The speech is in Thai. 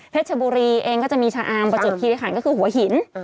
ชบุรีเองก็จะมีชะอาร์มประจวบคิริขันก็คือหัวหิน